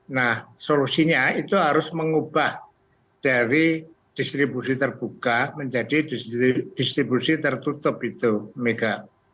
nah solusinya itu harus mengubah dari distribusi terbuka menjadi distribusi tertutup itu mega